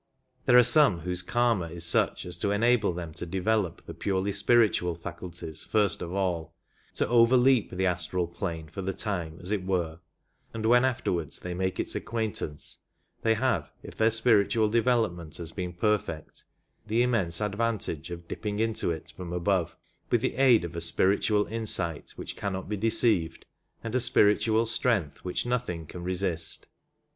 There are some whose Karma is such as to enable them to develop the purely spiritual faculties first of all — to over leap the astral plane for the time, as it were ; and when afterwards they make its acquaintance they have, if their spiritual development has been perfect, the immense ad vantage of dipping into it from above, with the aid of a spiritual insight which cannot be deceived and a spiritual strength which nothing can resist.